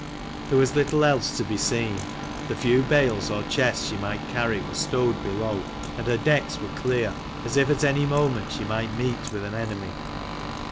There was little else to be seen: the few bales or chests she might carry were stowed below, and her decks were clear, as if at any moment she might meet with an enemy.